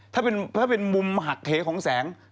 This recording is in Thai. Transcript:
ถ้าเป็นมุมหักเหของแสง